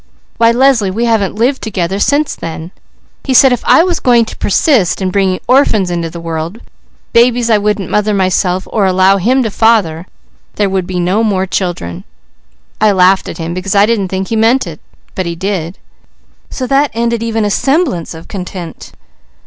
Why Leslie, we haven't lived together since then. He said if I were going to persist in bringing 'orphans' into the world, babies I wouldn't mother myself, or wouldn't allow him to father, there would be no more children. I laughed at him, because I didn't think he meant it; but he did, so that ended even a semblance of content.